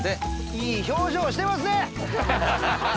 いい表情してますね！